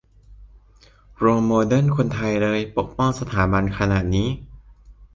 - โรลโมเดลคนไทยเลย ปกป้องสถาบันขนาดนี้